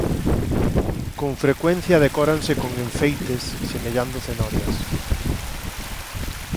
Con frecuencia decóranse con enfeites semellando cenorias.